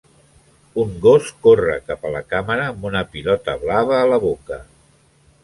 Un gos corre cap a la càmera amb una pilota blava a la boca.